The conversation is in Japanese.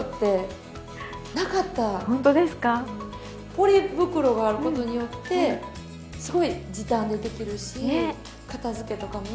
ポリ袋があることによってすごい時短でできるし片づけとかも。